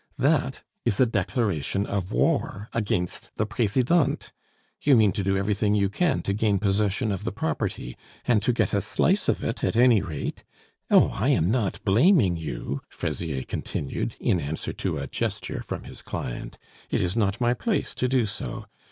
That is a declaration of war against the Presidente. You mean to do everything you can to gain possession of the property, and to get a slice of it at any rate "Oh, I am not blaming you," Fraisier continued, in answer to a gesture from his client. "It is not my place to do so.